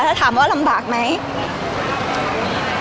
พี่ตอบได้แค่นี้จริงค่ะ